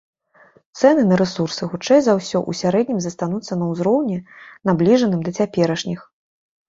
Цэны на рэсурсы, хутчэй за ўсё, у сярэднім застануцца на ўзроўні, набліжаным да цяперашніх.